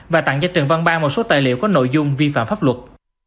và tặng cho trần văn ban một số tài liệu có nội dung vi phạm pháp luật